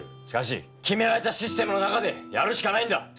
しかし決められたシステムの中でやるしかないんだ！